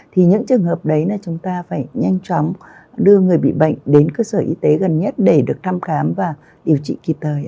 thì những trường hợp đấy là chúng ta phải nhanh chóng đưa người bị bệnh đến cơ sở y tế gần nhất để được thăm khám và điều trị kịp thời